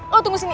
lo tunggu sini